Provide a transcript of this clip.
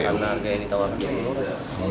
apa harga yang ditawarkan